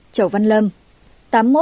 tám mươi chẩu văn lâm